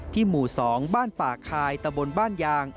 หมู่๒บ้านป่าคายตะบนบ้านยาง